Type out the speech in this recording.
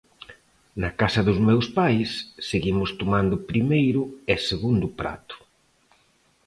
Na casa dos meus pais seguimos tomando primeiro e segundo prato.